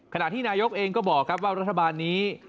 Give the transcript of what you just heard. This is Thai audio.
ขณะที่นายกเองก็บอกครับว่ารัฐบาลนี้